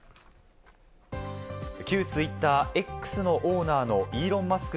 旧ツイッター「Ｘ」のオーナーのイーロン・マスク